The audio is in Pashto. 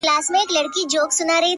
فلسفې نغښتي دي’